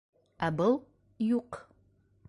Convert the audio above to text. Ә был - юҡ.